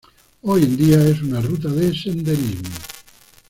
Hoy en día es una ruta de senderismo.